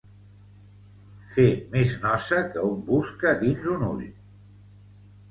Fer més nosa que una busca dins un ull.